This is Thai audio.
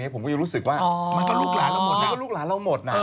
ผมรู้สึกว่ามันก็ลูกหลานเราหมดนะ